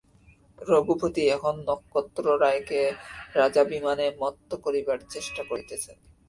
রঘুপতি এখন নক্ষত্ররায়কে রাজাভিমানে মত্ত করিবার চেষ্টা করিতেছেন।